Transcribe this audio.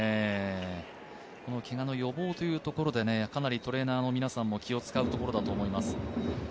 けがの予防というところでかなりトレーナーの皆さんも気を遣うところだと思います。